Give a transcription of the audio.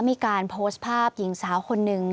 มีการโพสต์ภาพหญิงสาวคนหนึ่ง